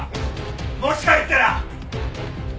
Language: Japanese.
もし入ったら。